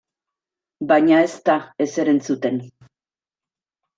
Baina ez da ezer entzuten.